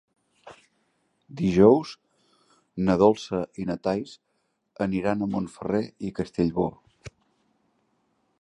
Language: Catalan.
Dijous na Dolça i na Thaís aniran a Montferrer i Castellbò.